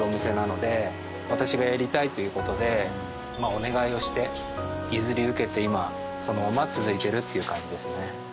お願いをして譲り受けて今そのまま続いてるという感じですね。